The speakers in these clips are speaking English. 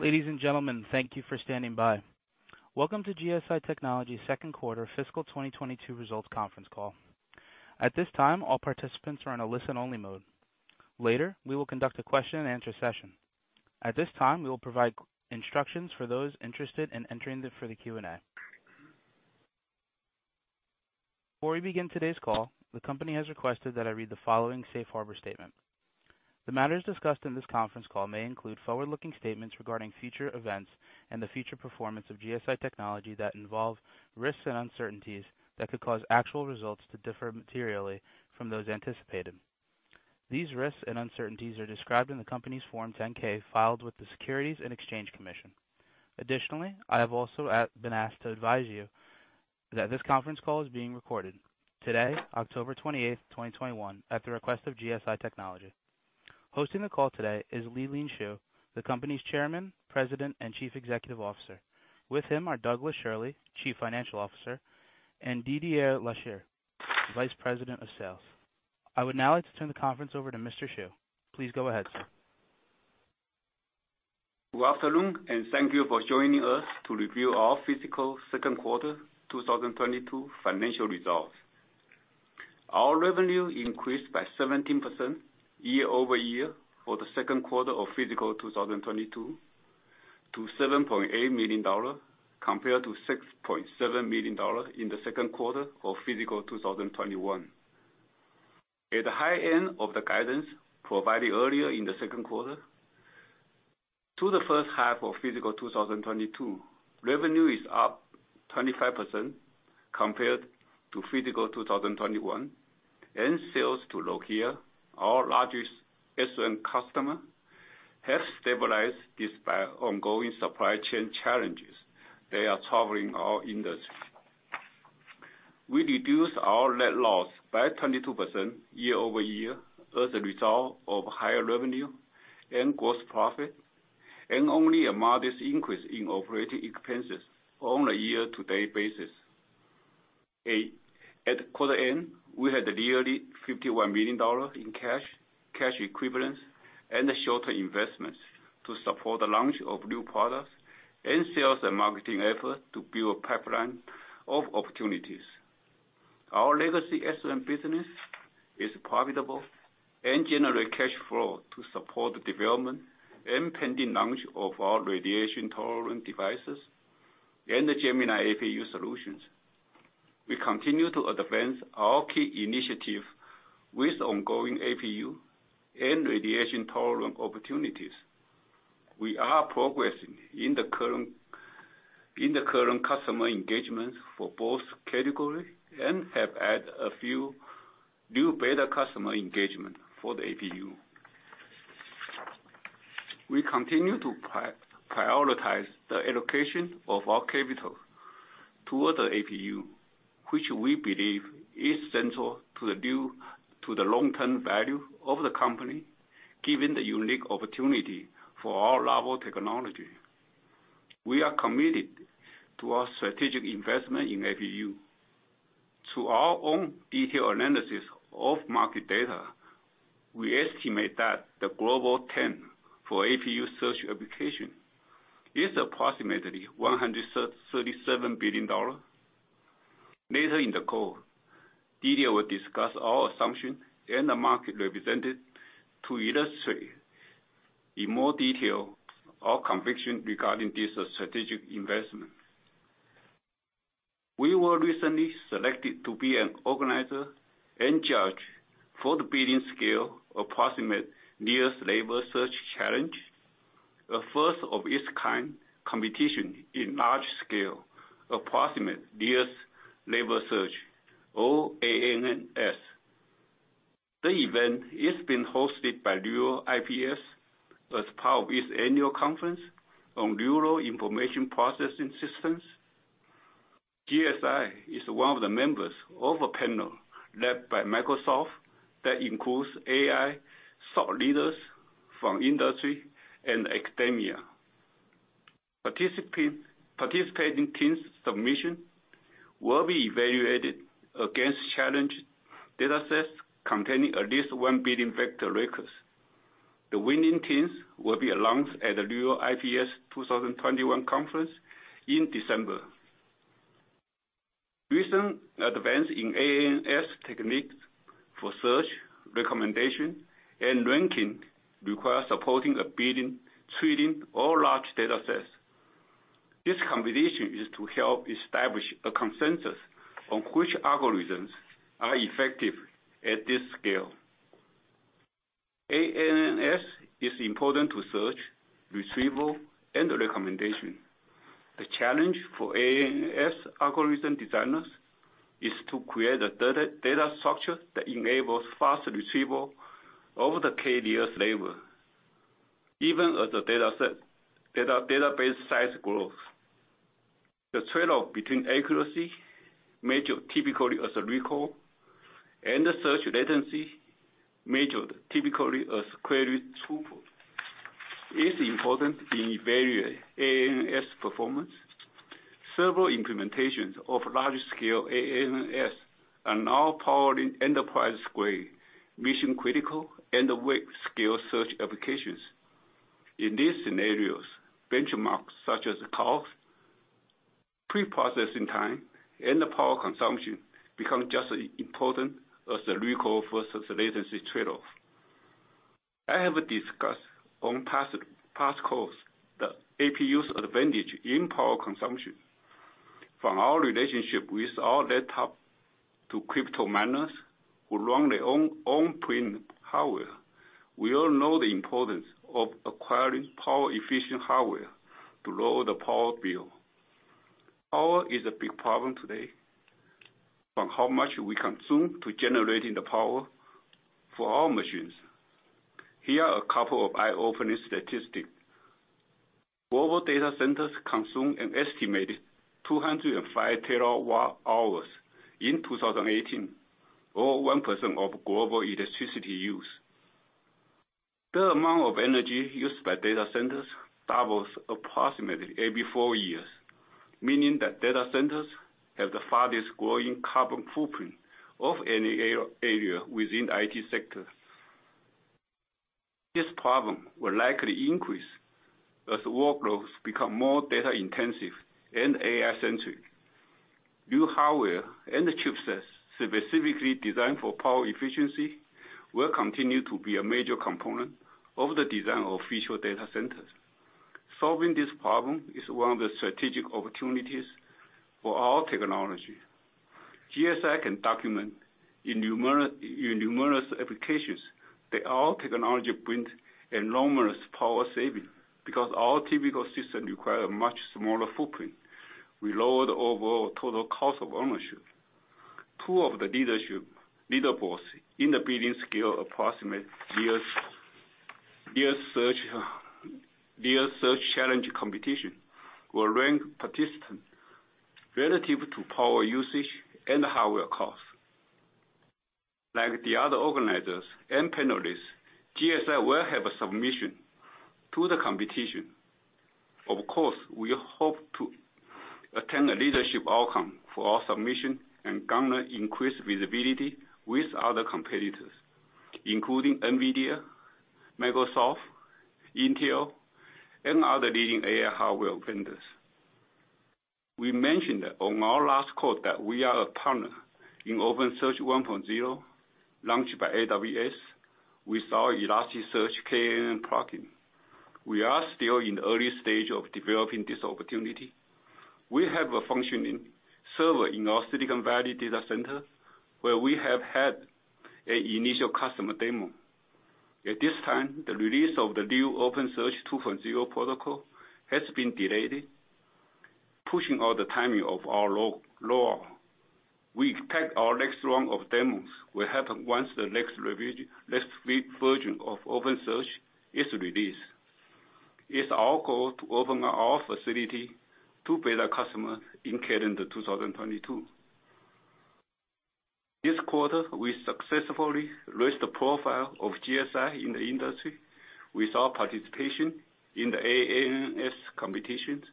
Ladies and gentlemen, thank you for standing by. Welcome to GSI Technology second quarter fiscal 2022 results conference call. At this time, all participants are in a listen-only mode. Later, we will conduct a question and answer session. At this time, we will provide instructions for those interested in entering for the Q&A. Before we begin today's call, the company has requested that I read the following safe harbor statement. The matters discussed in this conference call may include forward-looking statements regarding future events and the future performance of GSI Technology that involve risks and uncertainties that could cause actual results to differ materially from those anticipated. These risks and uncertainties are described in the company's Form 10-K filed with the Securities and Exchange Commission. Additionally, I have also been asked to advise you that this conference call is being recorded today, October 28, 2021, at the request of GSI Technology. Hosting the call today is Lee-Lean Shu, the company's Chairman, President, and Chief Executive Officer. With him are Douglas Schirle, Chief Financial Officer, and Didier Lasserre, Vice President of Sales. I would now like to turn the conference over to Mr. Shu. Please go ahead, sir. Good afternoon, and thank you for joining us to review our fiscal second quarter 2022 financial results. Our revenue increased by 17% year-over-year for the second quarter of fiscal 2022 to $7.8 million compared to $6.7 million in the second quarter of fiscal 2021, at the high end of the guidance provided earlier in the second quarter. For the first half of fiscal 2022, revenue is up 25% compared to fiscal 2021. Sales to Nokia, our largest SOM customer, have stabilized despite ongoing supply chain challenges that are troubling our industry. We reduced our net loss by 22% year-over-year as a result of higher revenue and gross profit, and only a modest increase in operating expenses on a year-to-date basis. At quarter end, we had nearly $51 million in cash equivalents, and short-term investments to support the launch of new products and sales and marketing efforts to build a pipeline of opportunities. Our legacy SOM business is profitable and generate cash flow to support the development and pending launch of our radiation-tolerant devices and the Gemini APU solutions. We continue to advance our key initiative with ongoing APU and radiation-tolerant opportunities. We are progressing in the current customer engagements for both categories and have added a few new beta customer engagement for the APU. We continue to prioritize the allocation of our capital toward the APU, which we believe is central to the long-term value of the company, given the unique opportunity for our novel technology. We are committed to our strategic investment in APU. Through our own detailed analysis of market data, we estimate that the global TAM for APU search application is approximately $137 billion. Later in the call, Didier will discuss our assumption and the market represented to illustrate in more detail our conviction regarding this strategic investment. We were recently selected to be an organizer and judge for the billion-scale approximate nearest neighbor search challenge, a first of its kind competition in large scale approximate nearest neighbor search, ANNS. The event is being hosted by NeurIPS as part of its annual conference on neural information processing systems. GSI is one of the members of a panel led by Microsoft that includes AI thought leaders from industry and academia. Participating teams submission will be evaluated against challenge datasets containing at least 1 billion vector records. The winning teams will be announced at the NeurIPS 2021 conference in December. Recent events in ANNS techniques for search, recommendation, and ranking require supporting 1 billion training or large data sets. This competition is to help establish a consensus on which algorithms are effective at this scale. ANNS is important to search, retrieval, and recommendation. The challenge for ANNS algorithm designers is to create a data structure that enables fast retrieval of the K nearest neighbor even as the database size grows. The trade-off between accuracy, measured typically as a recall, and the search latency, measured typically as query throughput, is important in evaluating ANNS performance. Several implementations of large-scale ANNS are now powering enterprise-grade mission critical and scale search applications. In these scenarios, benchmarks such as costs, pre-processing time and the power consumption become just as important as the recall versus the latency trade-off. I have discussed on past calls the APU's advantage in power consumption. From our relationship with [all the top] to crypto miners who run their own private hardware, we all know the importance of acquiring power efficient hardware to lower the power bill. Power is a big problem today, from how much we consume to generating the power for our machines. Here are a couple of eye-opening statistics. Global data centers consume an estimated 205 terawatt-hours in 2018, or 1% of global electricity use. The amount of energy used by data centers doubles approximately every four years, meaning that data centers have the fastest growing carbon footprint of any area within the IT sector. This problem will likely increase as workloads become more data-intensive and AI-centric. New hardware and chipsets specifically designed for power efficiency will continue to be a major component of the design of future data centers. Solving this problem is one of the strategic opportunities for our technology. GSI can document in numerous applications that our technology brings enormous power saving because our typical system require a much smaller footprint. We lower the overall total cost of ownership. Two of the leaderboards in the billion-scale approximate nearest neighbor search challenge competition will rank participants relative to power usage and hardware costs. Like the other organizers and panelists, GSI will have a submission to the competition. Of course, we hope to attain a leadership outcome for our submission and garner increased visibility with other competitors, including NVIDIA, Microsoft, Intel, and other leading AI hardware vendors. We mentioned on our last call that we are a partner in OpenSearch 1.0, launched by AWS with our Elasticsearch KNN plugin. We are still in the early stage of developing this opportunity. We have a functioning server in our Silicon Valley data center, where we have had an initial customer demo. At this time, the release of the new OpenSearch 2.0 protocol has been delayed, pushing out the timing of our launch. We expect our next round of demos will happen once the next version of OpenSearch is released. It's our goal to open our facility to beta customers in calendar 2022. This quarter, we successfully raised the profile of GSI in the industry with our participation in the ANNS competitions.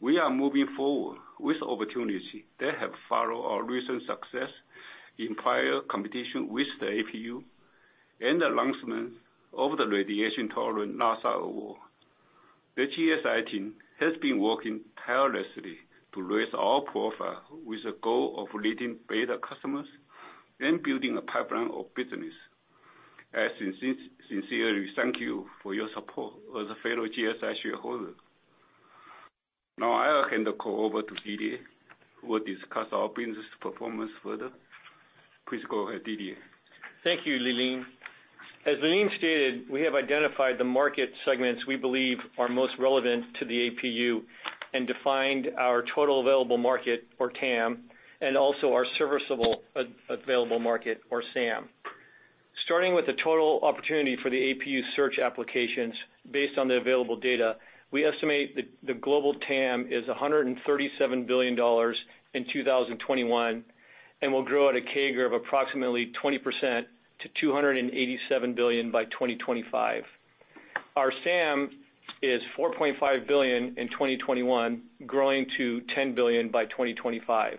We are moving forward with opportunities that have followed our recent success in prior competition with the APU and the announcement of the radiation-tolerant NASA award. The GSI team has been working tirelessly to raise our profile with the goal of leading beta customers and building a pipeline of business. I sincerely thank you for your support as a fellow GSI shareholder. Now I'll hand the call over to DD, who will discuss our business performance further. Please go ahead, DD. Thank you, Lilin. As Lilin stated, we have identified the market segments we believe are most relevant to the APU and defined our Total Available Market or TAM, and also our Serviceable Available Market or SAM. Starting with the total opportunity for the APU search applications based on the available data, we estimate the global TAM is $137 billion in 2021, and will grow at a CAGR of approximately 20% to $287 billion by 2025. Our SAM is $4.5 billion in 2021, growing to $10 billion by 2025.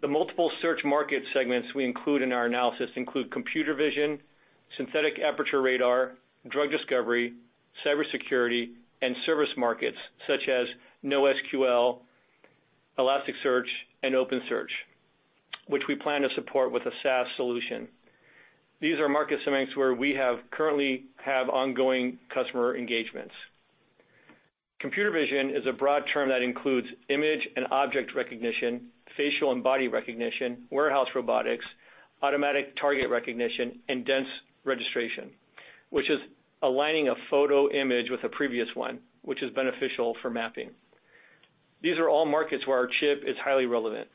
The multiple search market segments we include in our analysis include computer vision, synthetic aperture radar, drug discovery, cybersecurity and service markets such as NoSQL, Elasticsearch and OpenSearch, which we plan to support with a SaaS solution. These are market segments where we have currently ongoing customer engagements. Computer vision is a broad term that includes image and object recognition, facial and body recognition, warehouse robotics, automatic target recognition, and dense registration, which is aligning a photo image with a previous one, which is beneficial for mapping. These are all markets where our chip is highly relevant.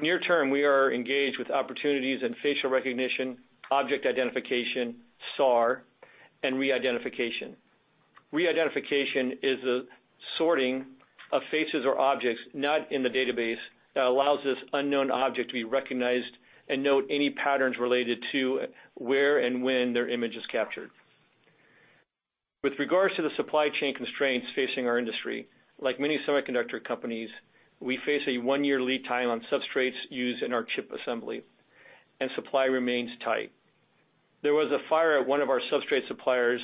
Near term, we are engaged with opportunities in facial recognition, object identification, SAR, and re-identification. Re-identification is the sorting of faces or objects not in the database that allows this unknown object to be recognized and note any patterns related to where and when their image is captured. With regard to the supply chain constraints facing our industry, like many semiconductor companies, we face a one-year lead time on substrates used in our chip assembly, and supply remains tight. There was a fire at one of our substrate suppliers,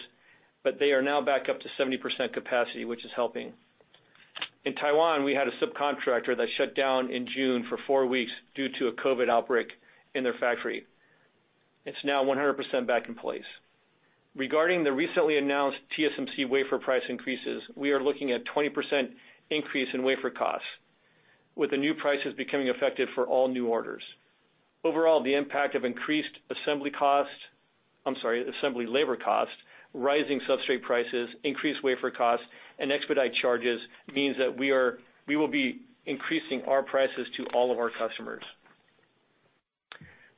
but they are now back up to 70% capacity, which is helping. In Taiwan, we had a subcontractor that shut down in June for four weeks due to a COVID outbreak in their factory. It's now 100% back in place. Regarding the recently announced TSMC wafer price increases, we are looking at 20% increase in wafer costs, with the new prices becoming effective for all new orders. Overall, the impact of increased assembly costs. I'm sorry, assembly labor costs, rising substrate prices, increased wafer costs, and expedite charges means that we will be increasing our prices to all of our customers.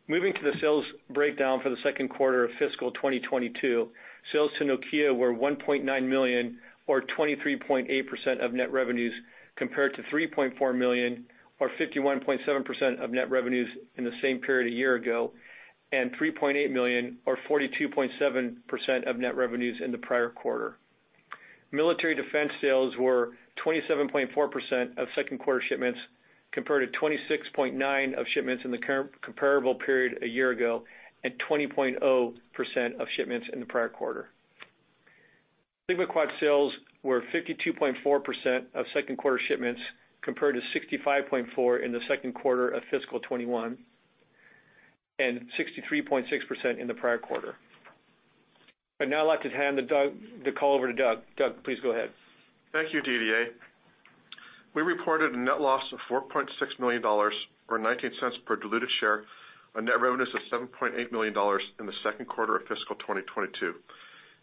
Moving to the sales breakdown for the second quarter of fiscal 2022, sales to Nokia were $1.9 million or 23.8% of net revenues, compared to $3.4 million or 51.7% of net revenues in the same period a year ago, and $3.8 million or 42.7% of net revenues in the prior quarter. Military defense sales were 27.4% of second-quarter shipments, compared to 26.9% of shipments in the current comparable period a year ago and 20.0% of shipments in the prior quarter. SigmaQuad sales were 52.4% of second-quarter shipments, compared to 65.4% in the second quarter of fiscal 2021 and 63.6% in the prior quarter. I'd now like to hand the call over to Doug. Doug, please go ahead. Thank you, Didier. We reported a net loss of $4.6 million or 19 cents per diluted share on net revenues of $7.8 million in the second quarter of fiscal 2022,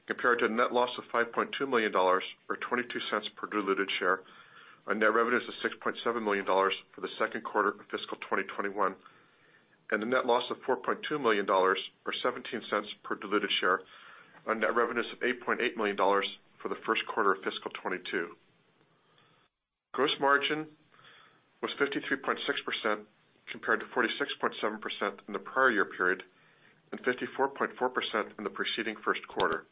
compared to a net loss of $5.2 million or $0.22 per diluted share on net revenues of $6.7 million for the second quarter of fiscal 2021, and a net loss of $4.2 million or $0.17 per diluted share on net revenues of $8.8 million for the first quarter of fiscal 2022. Gross margin was 53.6% compared to 46.7% in the prior year period and 54.4% in the preceding first quarter.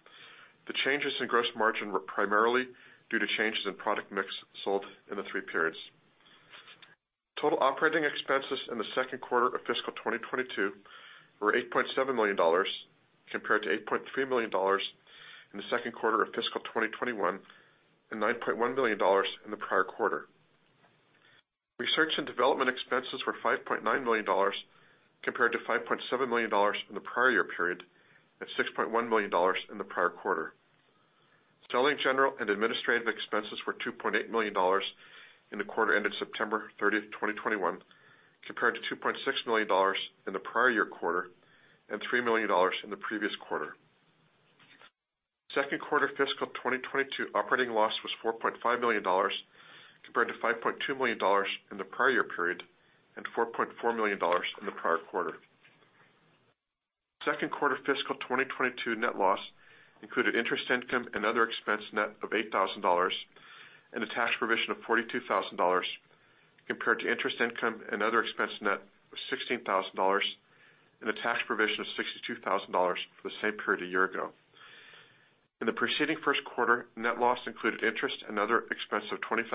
The changes in gross margin were primarily due to changes in product mix sold in the three periods. Total operating expenses in the second quarter of fiscal 2022 were $8.7 million compared to $8.3 million in the second quarter of fiscal 2021 and $9.1 million in the prior quarter. Research and development expenses were $5.9 million compared to $5.7 million in the prior year period and $6.1 million in the prior quarter. Selling, general, and administrative expenses were $2.8 million in the quarter ended September 30, 2021, compared to $2.6 million in the prior year quarter and $3 million in the previous quarter. Second quarter fiscal 2022 operating loss was $4.5 million compared to $5.2 million in the prior year period and $4.4 million in the prior quarter. Second quarter fiscal 2022 net loss included interest income and other expense net of $8,000 and a tax provision of $42,000 compared to interest income and other expense net of $16,000 and a tax provision of $62,000 for the same period a year ago. In the preceding first quarter, net loss included interest and other expense of $20,000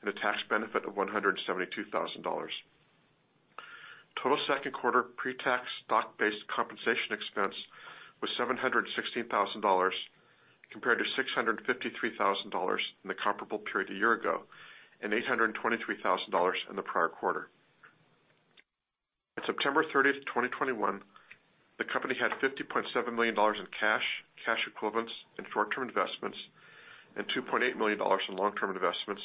and a tax benefit of $172,000. Total second quarter pre-tax stock-based compensation expense was $716,000 compared to $653,000 in the comparable period a year ago and $823,000 in the prior quarter. At September 30th, 2021, the company had $50.7 million in cash equivalents, and short-term investments and $2.8 million in long-term investments,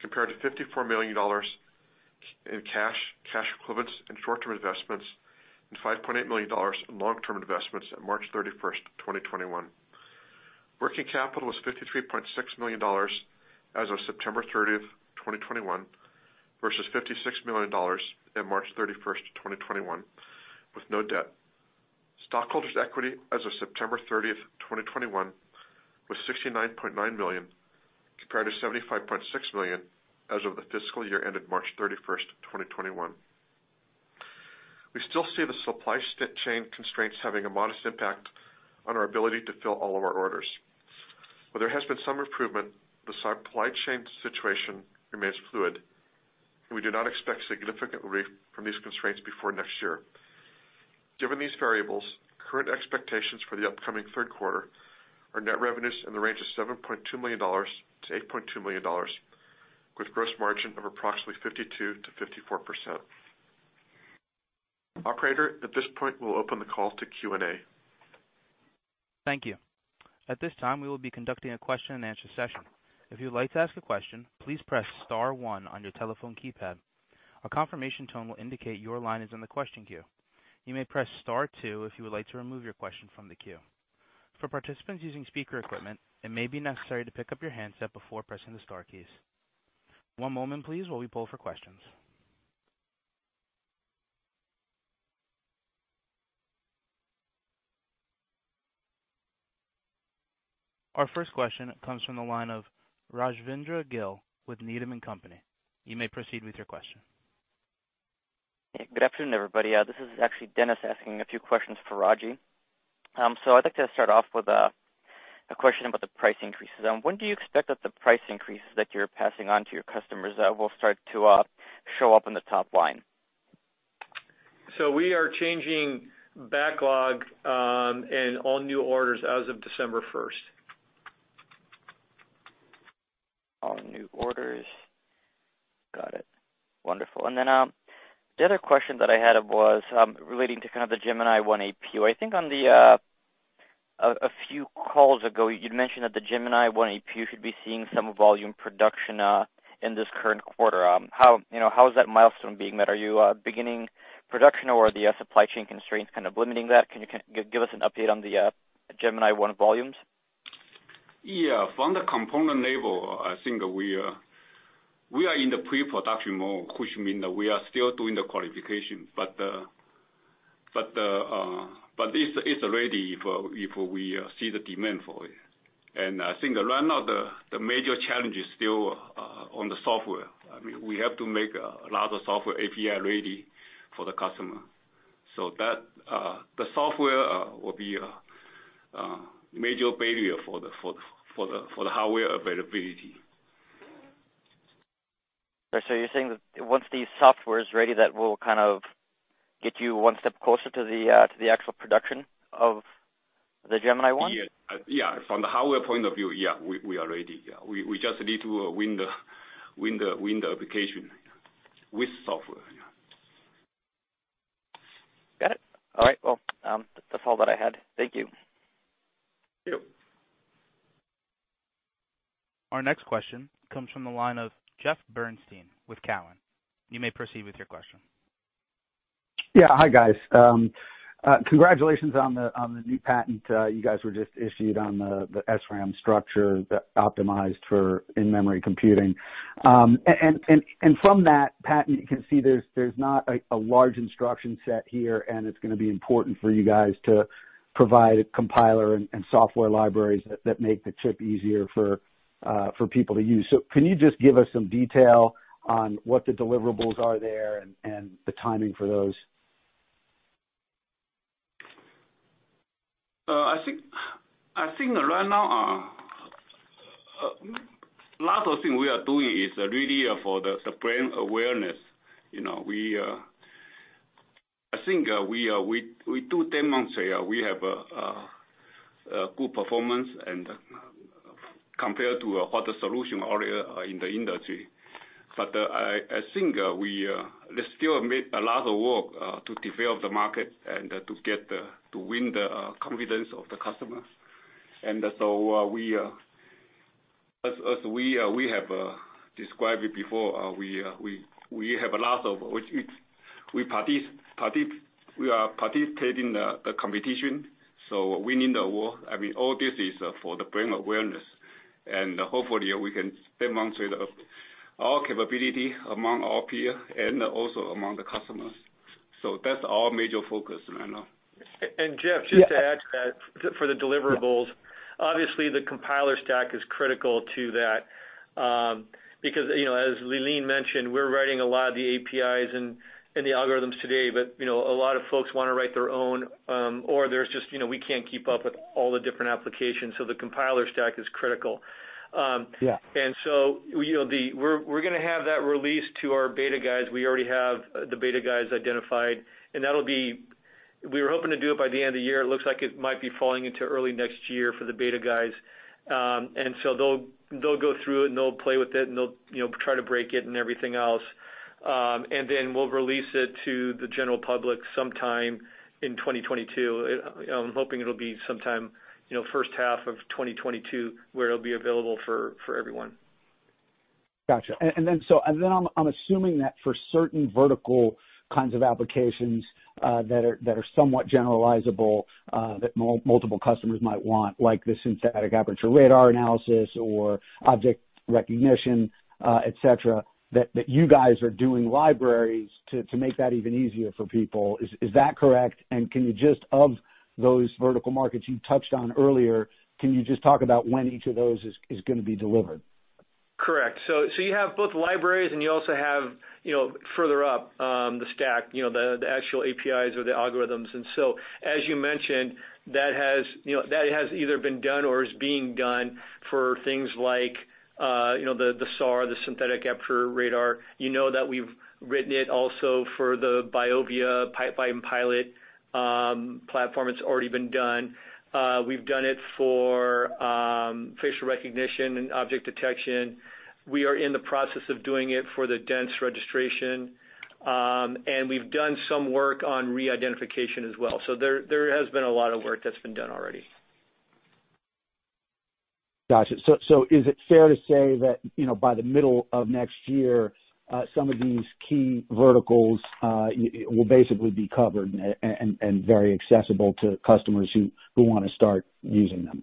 compared to $54 million in cash equivalents, and short-term investments and $5.8 million in long-term investments at March 31st, 2021. Working capital was $53.6 million as of September 30, 2021, versus $56 million at March 31st, 2021, with no debt. Stockholders' equity as of September 30th, 2021 was $69.9 million, compared to $75.6 million as of the fiscal year ended March 31st, 2021. We still see the supply chain constraints having a modest impact on our ability to fill all of our orders. While there has been some improvement, the supply chain situation remains fluid, and we do not expect significant relief from these constraints before next year. Given these variables, current expectations for the upcoming third quarter are net revenues in the range of $7.2 million-$8.2 million with gross margin of approximately 52%-54%. Operator, at this point, we'll open the call to Q&A. Thank you. At this time, we will be conducting a question-and-answer session. If you would like to ask a question, please press star one on your telephone keypad. A confirmation tone will indicate your line is in the question queue. You may press star two if you would like to remove your question from the queue. For participants using speaker equipment, it may be necessary to pick up your handset before pressing the star keys. One moment please while we poll for questions. Our first question comes from the line of Rajvindra Gill with Needham & Company. You may proceed with your question. Yeah. Good afternoon, everybody. This is actually Denis asking a few questions for Raji. I'd like to start off with a question about the price increases. When do you expect that the price increases that you're passing on to your customers will start to show up in the top line? We are changing backlog, and all new orders as of December first. All new orders. Got it. Wonderful. The other question that I had was relating to kind of the Gemini-I APU. I think on a few calls ago, you'd mentioned that the Gemini-I APU should be seeing some volume production in this current quarter. How, you know, how is that milestone being met? Are you beginning production or are the supply chain constraints kind of limiting that? Can you give us an update on the Gemini-I volumes? Yeah. From the component level, I think we are in the pre-production mode, which mean that we are still doing the qualification. It's ready if we see the demand for it. I think right now the major challenge is still on the software. I mean, we have to make a lot of software API ready for the customer. So that the software will be major barrier for the hardware availability. You're saying that once the software is ready, that will kind of get you one step closer to the actual production of the Gemini-I? Yeah. From the hardware point of view, yeah, we are ready. We just need to win the application with software. Yeah. Got it. All right, well, that's all that I had. Thank you. Thank you. Our next question comes from the line of Jeff Bernstein with Cowen. You may proceed with your question. Yeah. Hi, guys. Congratulations on the new patent you guys were just issued on the SRAM structure optimized for in-memory computing. From that patent, you can see there's not a large instruction set here, and it's gonna be important for you guys to provide a compiler and software libraries that make the chip easier for people to use. Can you just give us some detail on what the deliverables are there and the timing for those? I think right now a lot of things we are doing is really for the brand awareness. You know, we do demonstrate we have a good performance compared to other solutions already in the industry. I think we still make a lot of work to develop the market and to win the confidence of the customer. As we have described it before, we have a lot which we are participating in the competition, so winning the award. I mean, all this is for the brand awareness, and hopefully we can demonstrate our capability among our peers and also among the customers. That's our major focus right now. Jeff, just to add to that, for the deliverables, obviously the compiler stack is critical to that, because, you know, as Lilin mentioned, we're writing a lot of the APIs and the algorithms today. You know, a lot of folks wanna write their own, or there's just, you know, we can't keep up with all the different applications, so the compiler stack is critical. Yeah. You know, we're gonna have that released to our beta guys. We already have the beta guys identified. That'll be. We were hoping to do it by the end of the year. It looks like it might be falling into early next year for the beta guys. They'll go through it and they'll play with it and they'll, you know, try to break it and everything else. We'll release it to the general public sometime in 2022. I'm hoping it'll be sometime, you know, first half of 2022 where it'll be available for everyone. Gotcha. I'm assuming that for certain vertical kinds of applications that are somewhat generalizable that multiple customers might want, like the Synthetic Aperture Radar analysis or object recognition, et cetera, that you guys are doing libraries to make that even easier for people. Is that correct? Can you just, of those vertical markets you touched on earlier, can you just talk about when each of those is gonna be delivered? Correct. You have both libraries and you also have, you know, further up the stack, you know, the actual APIs or the algorithms. As you mentioned, that has either been done or is being done for things like, you know, the SAR, the Synthetic Aperture Radar. You know that we've written it also for the BIOVIA Pipeline Pilot platform. It's already been done. We've done it for facial recognition and object detection. We are in the process of doing it for the dense registration. And we've done some work on re-identification as well. There has been a lot of work that's been done already. Gotcha. Is it fair to say that, you know, by the middle of next year, some of these key verticals will basically be covered and very accessible to customers who wanna start using them?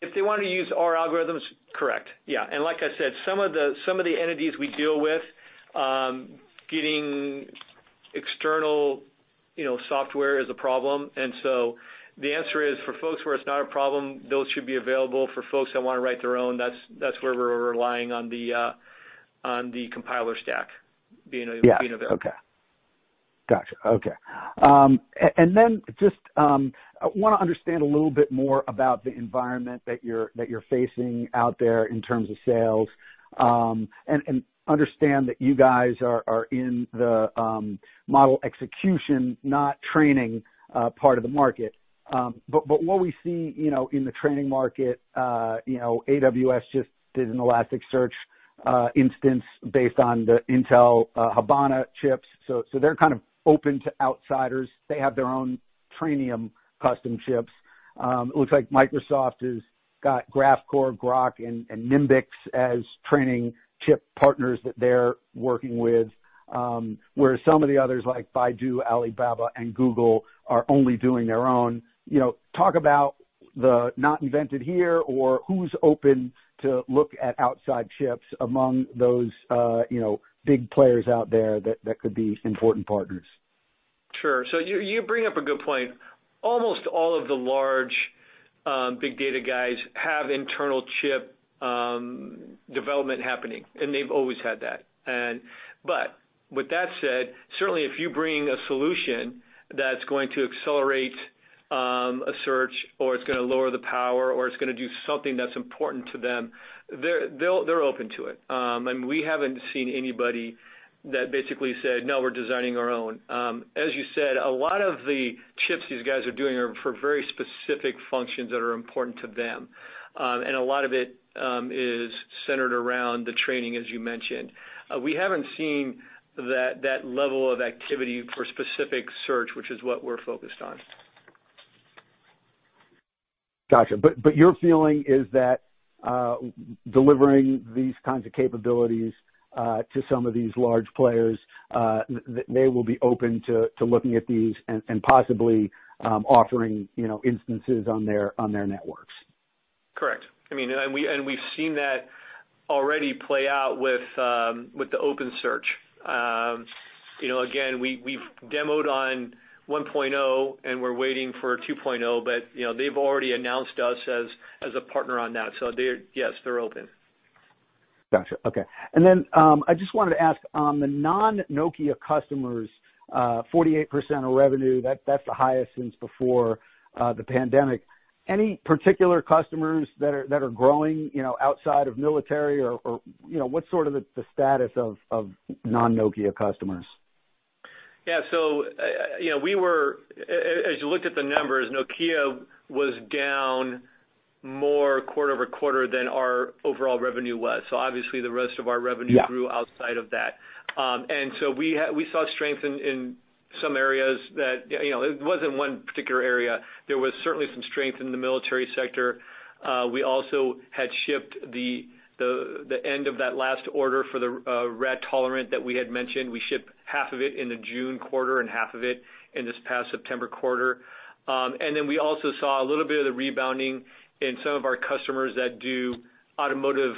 If they want to use our algorithms, correct. Yeah. Like I said, some of the entities we deal with, getting external, you know, software is a problem. The answer is for folks where it's not a problem, those should be available. For folks that wanna write their own, that's where we're relying on the compiler stack being available. Yeah. Okay. Gotcha. Okay. Just wanna understand a little bit more about the environment that you're facing out there in terms of sales. Understand that you guys are in the model execution, not training, part of the market. What we see, you know, in the training market, you know, AWS just did an Elasticsearch instance based on the Intel Habana chips. They're kind of open to outsiders. They have their own Trainium custom chips. It looks like Microsoft has got Graphcore, Groq, and Nimbix as training chip partners that they're working with. Whereas some of the others like Baidu, Alibaba, and Google are only doing their own. You know, talk about the not invented here or who's open to look at outside chips among those, you know, big players out there that could be important partners. Sure. You bring up a good point. Almost all of the large big data guys have internal chip development happening, and they've always had that. But with that said, certainly if you bring a solution that's going to accelerate a search or it's gonna lower the power or it's gonna do something that's important to them, they're open to it. We haven't seen anybody that basically said, "No, we're designing our own." As you said, a lot of the chips these guys are doing are for very specific functions that are important to them. A lot of it is centered around the training, as you mentioned. We haven't seen that level of activity for specific search, which is what we're focused on. Gotcha. Your feeling is that delivering these kinds of capabilities to some of these large players, they will be open to looking at these and possibly offering, you know, instances on their networks? Correct. I mean, we've seen that already play out with the OpenSearch. You know, again, we've demoed on 1.0, and we're waiting for 2.0, but, you know, they've already announced us as a partner on that. Yes, they're open. Gotcha. Okay. Then I just wanted to ask on the non-Nokia customers, 48% of revenue, that's the highest since before the pandemic. Any particular customers that are growing, you know, outside of military or, you know, what's sort of the status of non-Nokia customers? Yeah, you know, as you look at the numbers, Nokia was down more quarter-over-quarter than our overall revenue was. Obviously the rest of our revenue Yeah. Grew outside of that. We saw strength in some areas that, you know, it wasn't one particular area. There was certainly some strength in the military sector. We also had shipped the end of that last order for the rad-tolerant that we had mentioned. We shipped half of it in the June quarter and half of it in this past September quarter. We also saw a little bit of the rebounding in some of our customers that do automotive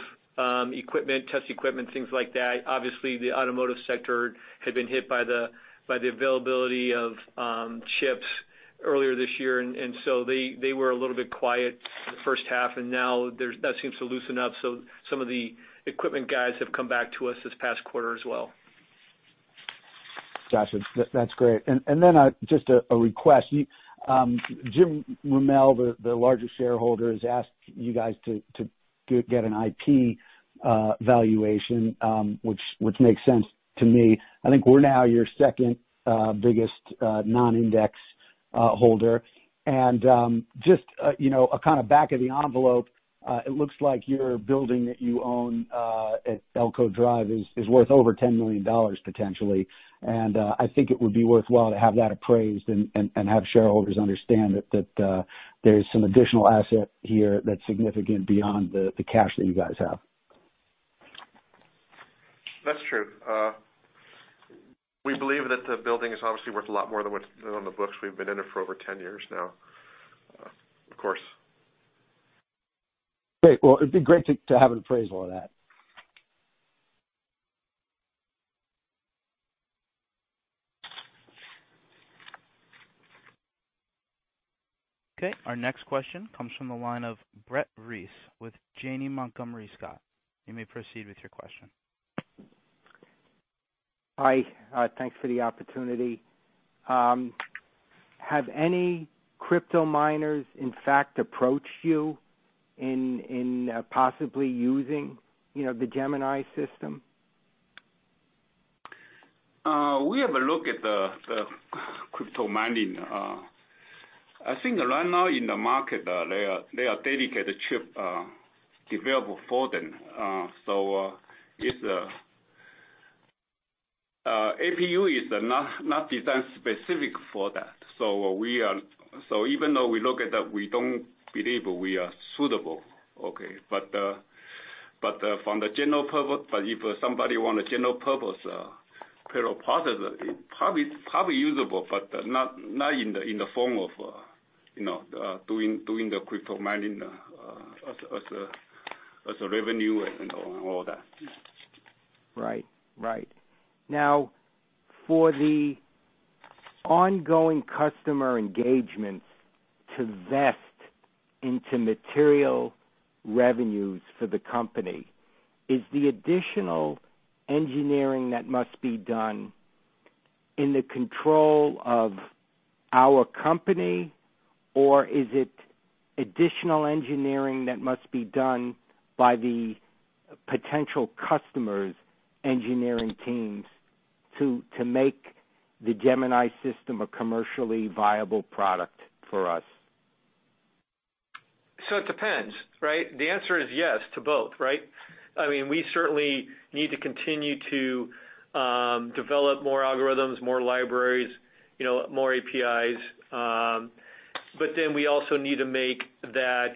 equipment, test equipment, things like that. Obviously, the automotive sector had been hit by the availability of chips earlier this year, and so they were a little bit quiet the first half, and now that seems to loosen up. Some of the equipment guys have come back to us this past quarter as well. Gotcha. That's great. Then just a request. You, Jim Roumell, the largest shareholder, has asked you guys to get an IP valuation, which makes sense to me. I think we're now your second biggest non-index holder. Just you know a kinda back of the envelope, it looks like your building that you own at Elko Drive is worth over $10 million potentially. I think it would be worthwhile to have that appraised and have shareholders understand that there's some additional asset here that's significant beyond the cash that you guys have. That's true. We believe that the building is obviously worth a lot more than what's on the books. We've been in it for over 10 years now. Of course. Great. Well, it'd be great to have an appraisal of that. Okay. Our next question comes from the line of Brett Reiss with Janney Montgomery Scott. You may proceed with your question. Hi. Thanks for the opportunity. Have any crypto miners in fact approached you in possibly using, you know, the Gemini system? We have a look at the crypto mining. I think right now in the market, there are dedicated chip developed for them. APU is not designed specific for that. Even though we look at that, we don't believe we are suitable. Okay. From the general purpose, if somebody want a general purpose parallel processor, it probably usable, but not in the form of, you know, doing the crypto mining as a revenue and all that. Right. Now, for the ongoing customer engagements to vest into material revenues for the company, is the additional engineering that must be done in the control of our company, or is it additional engineering that must be done by the potential customers' engineering teams to make the Gemini system a commercially viable product for us? It depends, right? The answer is yes to both, right? I mean, we certainly need to continue to develop more algorithms, more libraries, you know, more APIs. Then we also need to make that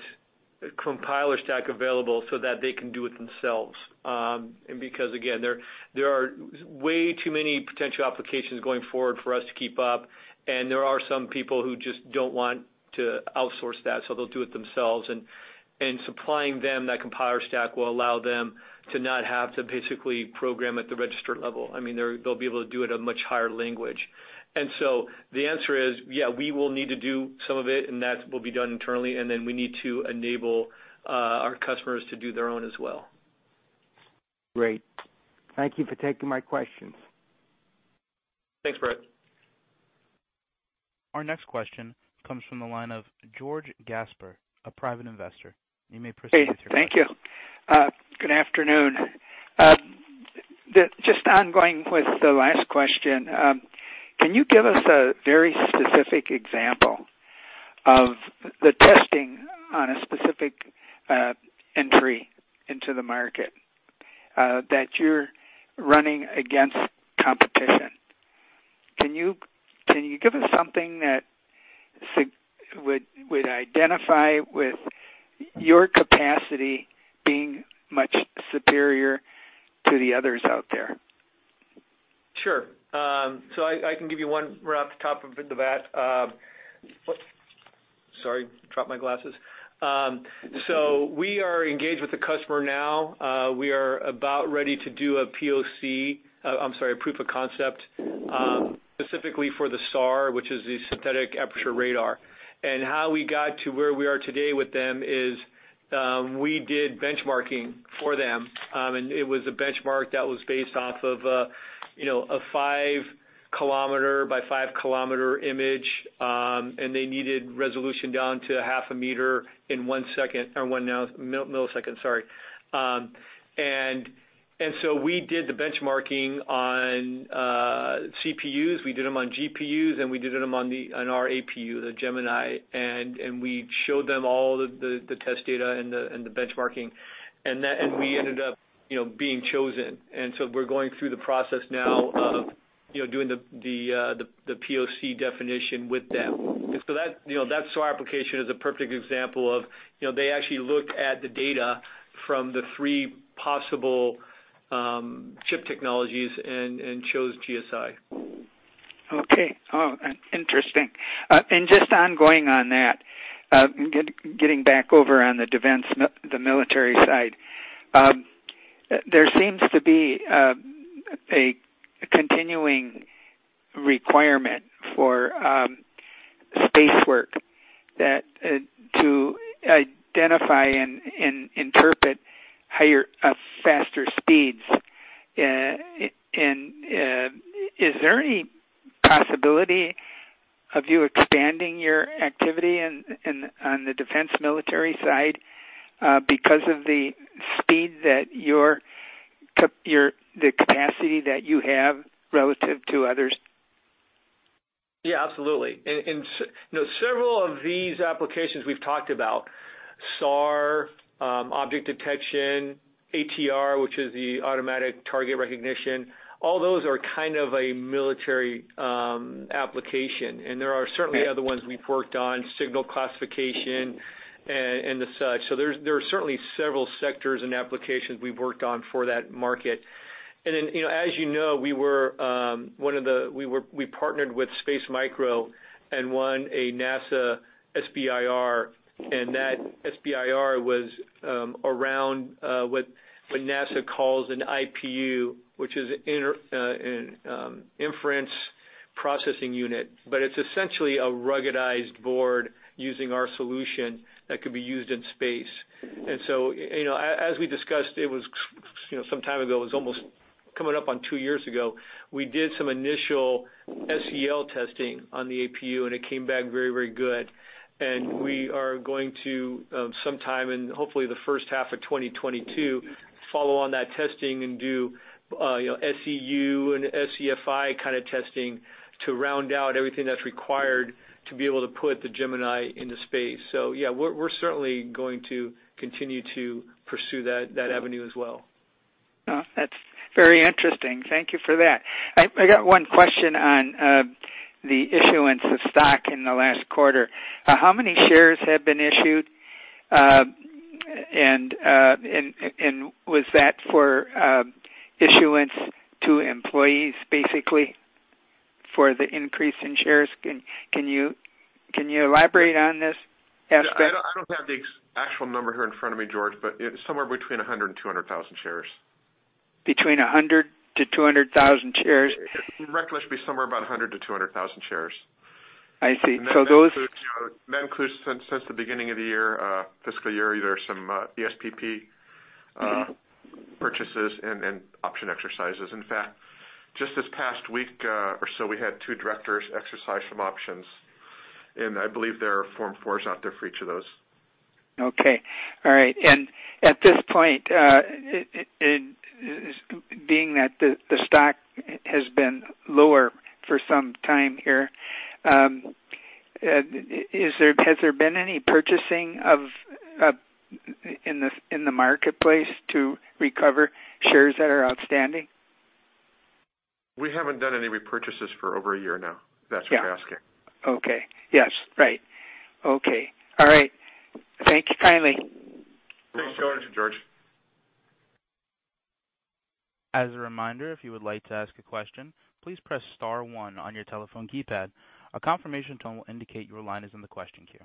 compiler stack available so that they can do it themselves. Because again, there are way too many potential applications going forward for us to keep up, and there are some people who just don't want to outsource that, so they'll do it themselves. Supplying them that compiler stack will allow them to not have to basically program at the register level. I mean, they'll be able to do it at a much higher level. The answer is, yeah, we will need to do some of it, and that will be done internally, and then we need to enable our customers to do their own as well. Great. Thank you for taking my questions. Thanks, Brett. Our next question comes from the line of George Gaspar, a private investor. You may proceed with your question. Hey. Thank you. Good afternoon. Just ongoing with the last question, can you give us a very specific example of the testing on a specific entry into the market that you're running against competition? Can you give us something that would identify with your capacity being much superior to the others out there? Sure. I can give you one right off the top of the hat. We are engaged with the customer now. We are about ready to do a POC, I'm sorry, a proof of concept, specifically for the SAR, which is the synthetic aperture radar. How we got to where we are today with them is, we did benchmarking for them. It was a benchmark that was based off of, you know, a five-kilometer by five-kilometer image, and they needed resolution down to a half a meter in one second or one millisecond, sorry. We did the benchmarking on CPUs, we did them on GPUs, and we did them on our APU, the Gemini. We showed them all the test data and the benchmarking, and that. We ended up, you know, being chosen. We're going through the process now of, you know, doing the POC definition with them. That SAR application is a perfect example of, you know, they actually looked at the data from the three possible chip technologies and chose GSI. Okay. Oh, interesting. Just ongoing on that, getting back over on the defense military side. There seems to be a continuing requirement for space work that to identify and interpret higher faster speeds. Is there any possibility of you expanding your activity in on the defense military side because of the speed that the capacity that you have relative to others? Yeah, absolutely. Several of these applications we've talked about, SAR, object detection, ATR, which is the automatic target recognition, all those are kind of a military application. There are certainly other ones we've worked on, signal classification and such. There are certainly several sectors and applications we've worked on for that market. You know, as you know, we partnered with Space Micro and won a NASA SBIR, and that SBIR was around what NASA calls an IPU, which is an inference processing unit, but it's essentially a ruggedized board using our solution that could be used in space. You know, as we discussed, it was some time ago, almost coming up on two years ago, we did some initial SEL testing on the APU, and it came back very, very good. We are going to sometime in hopefully the first half of 2022 follow on that testing and do you know, SEU and SEFI kind of testing to round out everything that's required to be able to put the Gemini into space. Yeah, we're certainly going to continue to pursue that avenue as well. Oh, that's very interesting. Thank you for that. I got one question on the issuance of stock in the last quarter. How many shares have been issued? And was that for issuance to employees basically? For the increase in shares. Can you elaborate on this aspect? Yeah, I don't have the actual number here in front of me, George, but it's somewhere between 100,000 and 200,000 shares. Between 100,000-200,000 shares? Reckon it should be somewhere about 100,000-200,000 shares. I see. Those- That includes, you know, since the beginning of the year, fiscal year, there are some ESPP purchases and option exercises. In fact, just this past week or so we had two directors exercise some options, and I believe there are Form 4s out there for each of those. Okay. All right. At this point, it is being that the stock has been lower for some time here, has there been any purchasing in the marketplace to recover shares that are outstanding? We haven't done any repurchases for over a year now. Yeah. If that's what you're asking. Okay. Yes. Right. Okay. All right. Thank you kindly. Thanks for joining us, George. As a reminder, if you would like to ask a question, please press star one on your telephone keypad. A confirmation tone will indicate your line is in the question queue.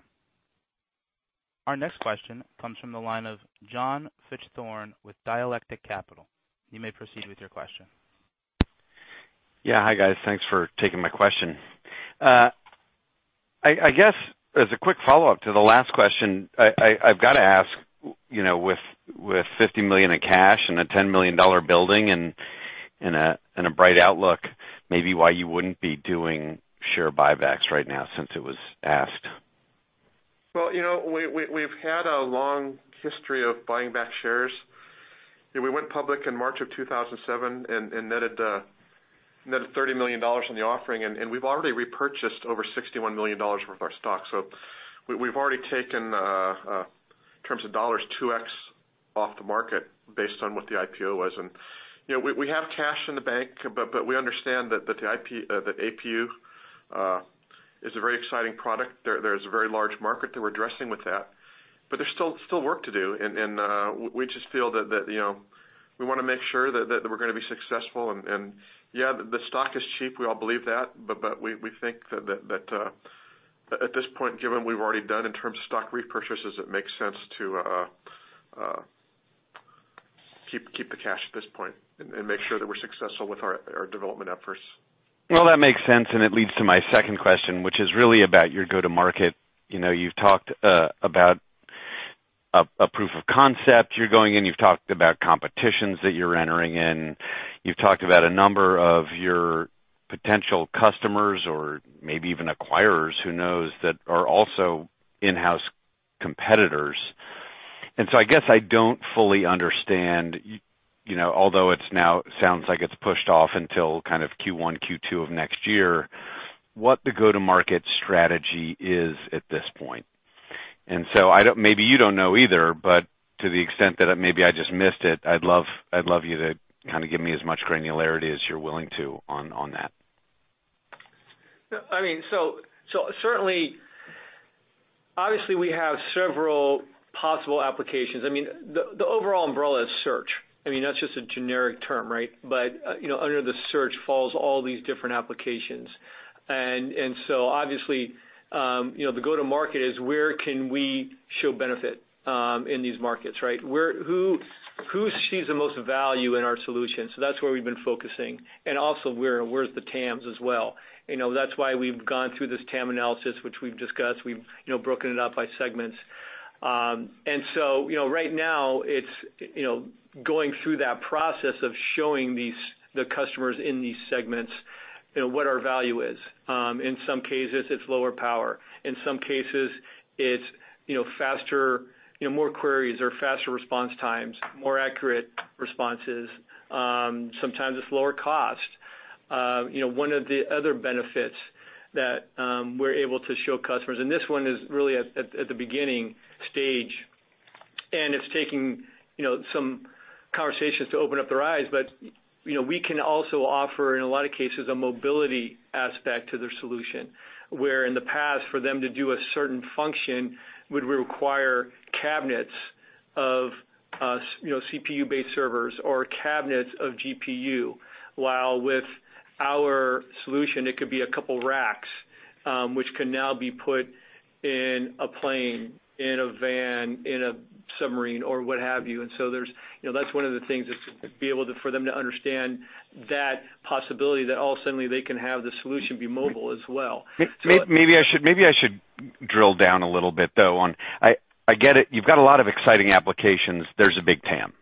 Our next question comes from the line of John Fichthorn with Dialectic Capital. You may proceed with your question. Yeah. Hi, guys. Thanks for taking my question. I guess as a quick follow-up to the last question, I've got to ask, you know, with $50 million in cash and a $10 million building and a bright outlook, maybe why you wouldn't be doing share buybacks right now since it was asked. Well, you know, we've had a long history of buying back shares. You know, we went public in March of 2007 and netted $30 million in the offering, and we've already repurchased over $61 million worth of our stock. We've already taken, in terms of dollars, 2x off the market based on what the IPO was. You know, we have cash in the bank, but we understand that APU is a very exciting product. There's a very large market that we're addressing with that, but there's still work to do. We just feel that, you know, we wanna make sure that we're gonna be successful. Yeah, the stock is cheap. We all believe that. We think that at this point, given we've already done in terms of stock repurchases, it makes sense to keep the cash at this point and make sure that we're successful with our development efforts. Well, that makes sense, and it leads to my second question, which is really about your go-to market. You know, you've talked about a proof of concept you're going in. You've talked about competitions that you're entering in. You've talked about a number of your potential customers or maybe even acquirers, who knows, that are also in-house competitors. I guess I don't fully understand, you know, although it now sounds like it's pushed off until kind of Q1, Q2 of next year, what the go-to market strategy is at this point. Maybe you don't know either, but to the extent that maybe I just missed it, I'd love you to kind of give me as much granularity as you're willing to on that. I mean, so certainly, obviously, we have several possible applications. I mean, the overall umbrella is search. I mean, that's just a generic term, right? You know, under the search falls all these different applications. Obviously, you know, the go-to market is where can we show benefit in these markets, right? Who sees the most value in our solution? That's where we've been focusing and also where's the TAMs as well. You know, that's why we've gone through this TAM analysis, which we've discussed. We've, you know, broken it up by segments. You know, right now it's, you know, going through that process of showing the customers in these segments, you know, what our value is. In some cases, it's lower power. In some cases it's, you know, faster, you know, more queries or faster response times, more accurate responses. Sometimes it's lower cost. You know, one of the other benefits that we're able to show customers, and this one is really at the beginning stage, and it's taking, you know, some conversations to open up their eyes. You know, we can also offer, in a lot of cases, a mobility aspect to their solution. Where in the past, for them to do a certain function would require cabinets of, you know, CPU-based servers or cabinets of GPU. While with our solution, it could be a couple racks, which can now be put in a plane, in a van, in a submarine or what have you. You know, that's one of the things that's been able for them to understand that possibility that all of a sudden they can have the solution be mobile as well. Maybe I should drill down a little bit, though. I get it. You've got a lot of exciting applications. There's a big TAM.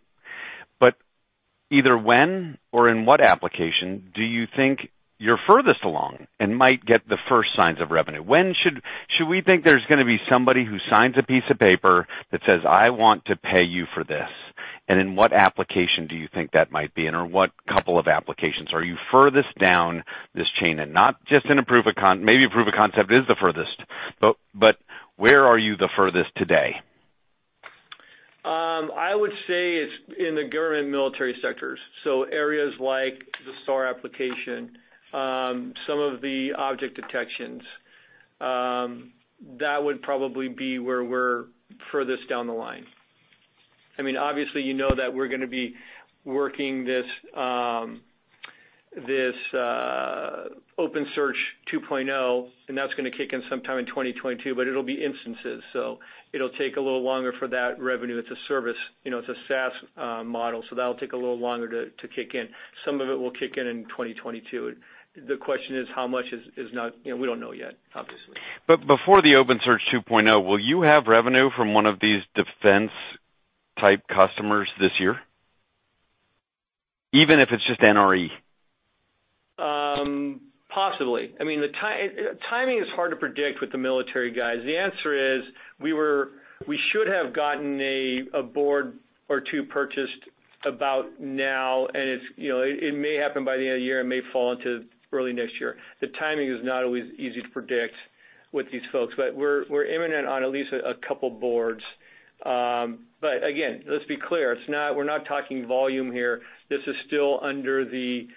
Either when or in what application do you think you're furthest along and might get the first signs of revenue? Should we think there's gonna be somebody who signs a piece of paper that says, "I want to pay you for this," and in what application do you think that might be, and/or what couple of applications are you furthest down this chain, not just in a proof of concept, maybe a proof of concept is the furthest, but where are you the furthest today? I would say it's in the government military sectors. Areas like the SAR application, some of the object detections, that would probably be where we're furthest down the line. I mean, obviously you know that we're gonna be working this OpenSearch 2.0, and that's gonna kick in sometime in 2022, but it'll be instances, so it'll take a little longer for that revenue. It's a service. You know, it's a SaaS model, so that'll take a little longer to kick in. Some of it will kick in in 2022. The question is how much is not. You know, we don't know yet, obviously. Before the OpenSearch 2.0, will you have revenue from one of these defense-type customers this year? Even if it's just NRE. Possibly. I mean, the timing is hard to predict with the military guys. The answer is, we should have gotten a board or two purchased about now, and, you know, it may happen by the end of the year, it may fall into early next year. The timing is not always easy to predict with these folks. We're imminent on at least a couple boards. Again, let's be clear, we're not talking volume here. This is still under the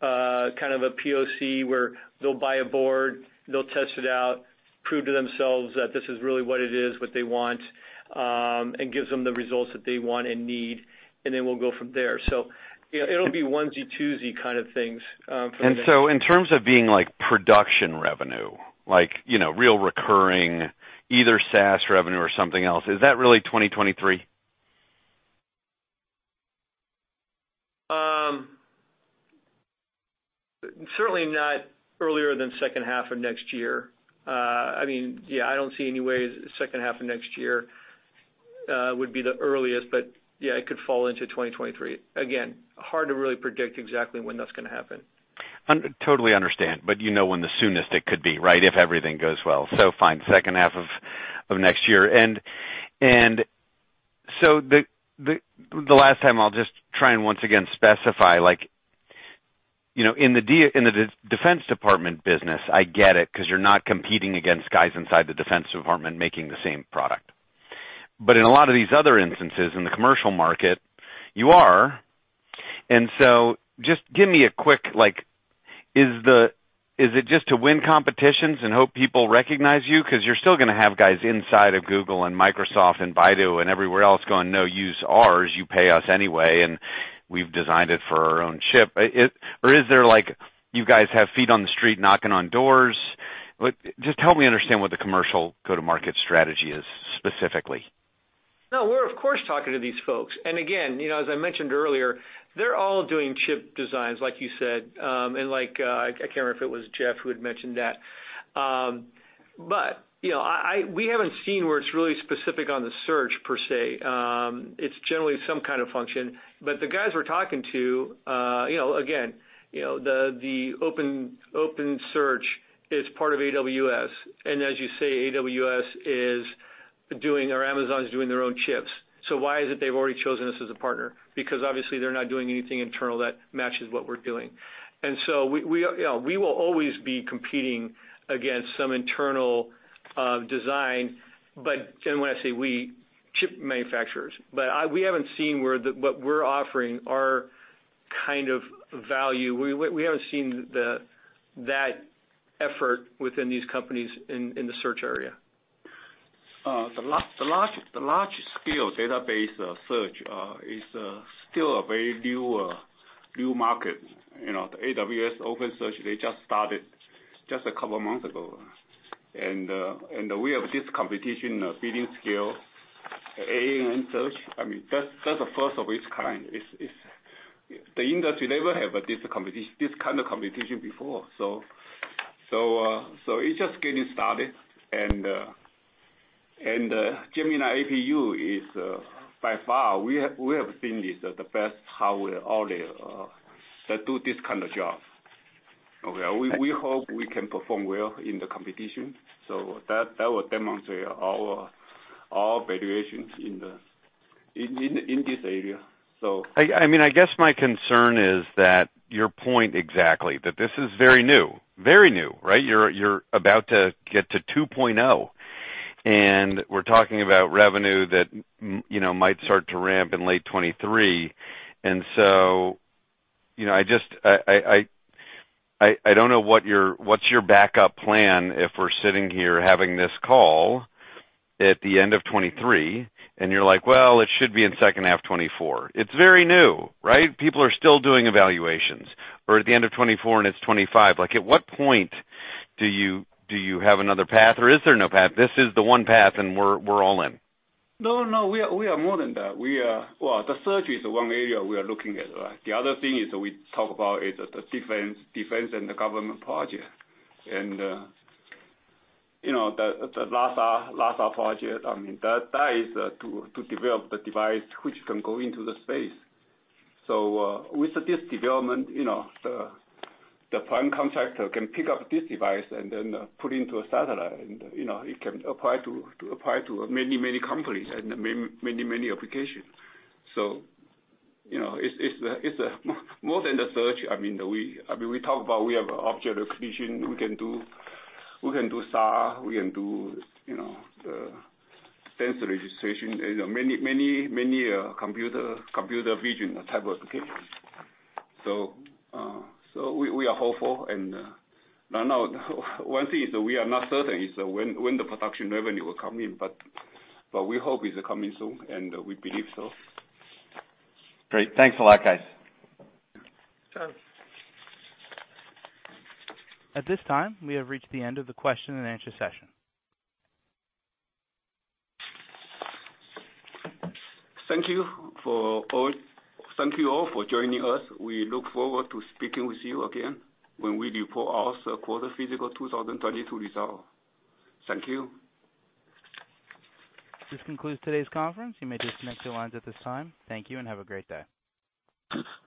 kind of a POC where they'll buy a board, they'll test it out, prove to themselves that this is really what it is, what they want, and gives them the results that they want and need, and then we'll go from there. You know, it'll be onesie-twosie kind of things for the- In terms of being like production revenue, like, you know, real recurring, either SaaS revenue or something else, is that really 2023? Certainly not earlier than second half of next year. I mean, yeah, I don't see any way second half of next year would be the earliest. Yeah, it could fall into 2023. Again, hard to really predict exactly when that's gonna happen. Totally understand. You know when the soonest it could be, right? If everything goes well. Fine, second half of next year. The last time, I'll just try and once again specify, like, you know, in the defense department business, I get it, 'cause you're not competing against guys inside the defense department making the same product. In a lot of these other instances in the commercial market, you are. Just give me a quick like, is it just to win competitions and hope people recognize you? 'Cause you're still gonna have guys inside of Google and Microsoft and Baidu and everywhere else going, "No, use ours, you pay us anyway, and we've designed it for our own chip." Or is there like, you guys have feet on the street knocking on doors? Like, just help me understand what the commercial go-to-market strategy is specifically? No, we're of course talking to these folks. Again, you know, as I mentioned earlier, they're all doing chip designs, like you said, and like, I can't remember if it was Jeff who had mentioned that. But, you know, I we haven't seen where it's really specific on the search per se. It's generally some kind of function. But the guys we're talking to, you know, again, you know, the OpenSearch is part of AWS. And as you say, AWS is doing, or Amazon is doing their own chips. So why is it they've already chosen us as a partner? Because obviously they're not doing anything internal that matches what we're doing. So we, you know, we will always be competing against some internal design. But when I say we, chip manufacturers. We haven't seen what we're offering are kind of value. We haven't seen the, that effort within these companies in the search area. The large scale database search is still a very new market. You know, the AWS OpenSearch, they just started just a couple of months ago. We have this competition, billion scale ANNS. I mean, that's the first of its kind. It's the industry never have this competition, this kind of competition before. It's just getting started. Gemini APU is by far we have seen this as the best hardware ever that do this kind of job. Okay. We hope we can perform well in the competition. That will demonstrate our variations in this area. I mean, I guess my concern is that your point exactly, that this is very new. Very new, right? You're about to get to 2.0, and we're talking about revenue that you know, might start to ramp in late 2023. You know, I just don't know what's your backup plan if we're sitting here having this call at the end of 2023, and you're like, "Well, it should be in second half 2024." It's very new, right? People are still doing evaluations. At the end of 2024 and it's 2025. Like, at what point do you have another path or is there no path? This is the one path and we're all in. No, no. We are more than that. Well, the search is the one area we are looking at, right? The other thing we talk about is the defense and the government project. You know, the NASA project, I mean, that is to develop the device which can go into space. With this development, you know, the prime contractor can pick up this device and then put into a satellite, and you know, it can apply to many companies and many applications. You know, it's more than the search. I mean, we talk about we have object recognition, we can do SAR, you know, sensor registration, you know, many computer vision type of applications. So we are hopeful and no, one thing is we are not certain is when the production revenue will come in, but we hope it's coming soon, and we believe so. Great. Thanks a lot, guys. Sure. At this time, we have reached the end of the question and answer session. Thank you all for joining us. We look forward to speaking with you again when we report our quarter fiscal 2022 result. Thank you. This concludes today's conference. You may disconnect your lines at this time. Thank you, and have a great day.